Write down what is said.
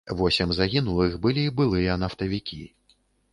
Восем загінулых былі былыя нафтавікі.